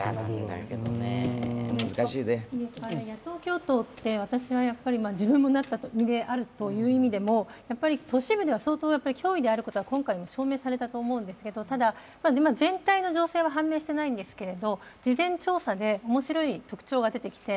野党共闘って私は自分もなった身であるという意味でもやっぱり都市部では相当脅威であることは今回示されたわけですが、ただ、全体の情勢は判明していないんですけども事前調査で面白い特徴が出てきて。